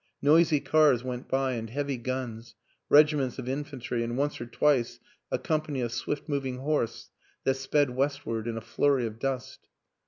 Noisy cars went by and heavy guns, regiments of infantry and once or twice a company of swift moving horse that sped westward in a flurry of dust.